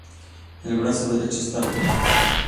El brazo derecho está roto.